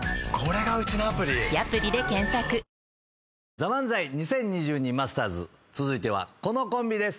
『ＴＨＥＭＡＮＺＡＩ２０２２マスターズ』続いてはこのコンビです。